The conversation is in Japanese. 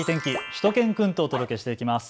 しゅと犬くんとお届けしていきます。